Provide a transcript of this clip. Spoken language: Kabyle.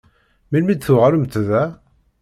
Melmi i d-tuɣalemt da?